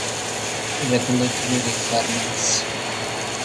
Regulatory Requirements